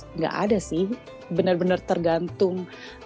tidak ada sih benar benar tergantung